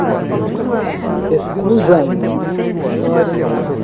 escusam